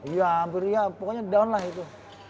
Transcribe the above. ya hampir ya pokoknya down lah itu